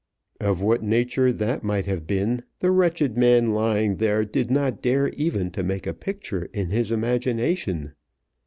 Of what nature that might have been, the wretched man lying there did not dare even to make a picture in his imagination.